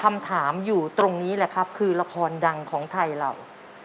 คำถามอยู่ตรงนี้แหละครับคือละครดังของไทยเรา